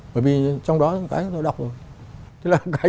bởi vì trong đó cái tôi đọc rồi